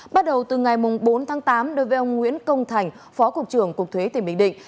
bắt đầu từ ngày bốn tháng tám đối với ông nguyễn công thành phó cục trưởng cục thuế tỉnh bình định